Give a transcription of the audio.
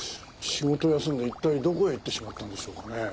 仕事を休んで一体どこへ行ってしまったんでしょうかね？